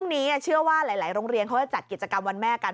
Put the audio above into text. นี้เชื่อว่าหลายโรงเรียนเขาจะจัดกิจกรรมวันแม่กัน